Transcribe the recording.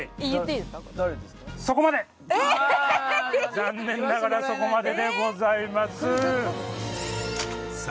残念ながらそこまででございます。